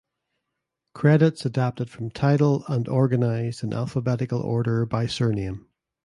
Credits adapted from Tidal and organized in alphabetical order by surname.